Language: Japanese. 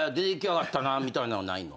みたいなのはないの？